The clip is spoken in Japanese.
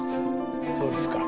そうですか？